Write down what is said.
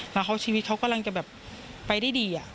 แล้วชีวิตเขากำลังจะแบบไปได้ดี